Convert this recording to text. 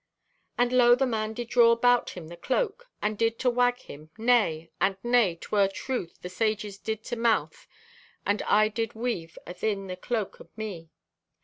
"And lo, the man did draw 'bout him the cloak, and did to wag him 'Nay' and 'Nay, 'twer truth the sages did to mouth and I did weave athin the cloak o' me.